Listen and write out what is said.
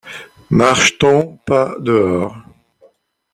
Marche-t-on pas dehors ?